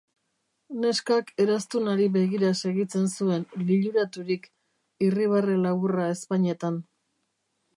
Neskak eraztunari begira segitzen zuen, liluraturik, irribarre laburra ezpainetan.